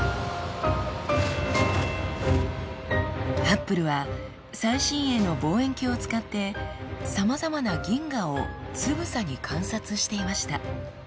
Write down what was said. ハッブルは最新鋭の望遠鏡を使ってさまざまな銀河をつぶさに観察していました。